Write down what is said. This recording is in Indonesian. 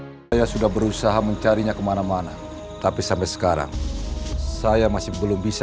hai saya sudah berusaha mencarinya kemana mana tapi sampai sekarang saya masih belum bisa